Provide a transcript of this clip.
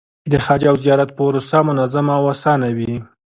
د حج او زیارت پروسه منظمه او اسانه وي.